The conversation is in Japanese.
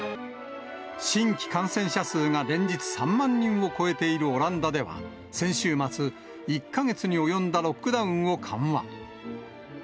新規感染者数が連日３万人を超えているオランダでは、先週末、１か月に及んだロックダウンを緩和。